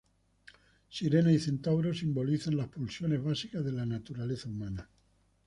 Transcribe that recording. Sirenas y centauros simbolizan las pulsiones básicas de la naturaleza humana.